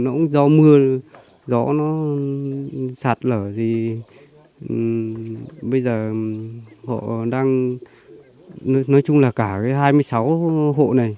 nó cũng do mưa gió nó sạt lở thì bây giờ họ đang nói chung là cả cái hai mươi sáu hộ này